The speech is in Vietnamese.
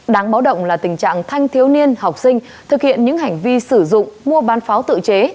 đáng báo động là tình trạng thanh thiếu niên học sinh thực hiện những hành vi sử dụng mua bán pháo tự chế